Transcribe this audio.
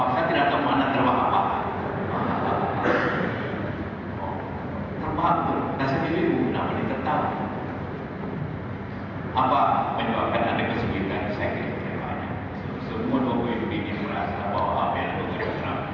saya tanya apa yang terjadi di amerika setelah negeri kita kedua